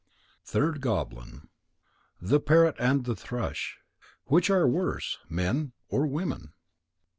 THIRD GOBLIN _The Parrot and the Thrush. Which are worse, men or women?